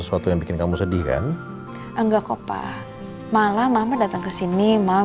sampai jumpa di video selanjutnya